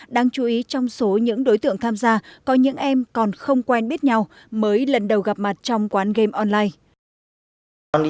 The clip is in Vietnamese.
đáng chú ý trong số những đối tượng tham gia có những em còn không quen biết nhau mới lần đầu gặp mặt trong quán game online